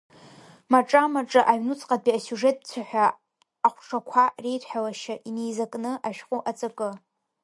Маҿа-маҿа аҩнуҵҟатәи асиужеттә цәаҳәа, аҟәшақәа реидҳәалашьа, инеизакны, ашәҟәы аҵакы.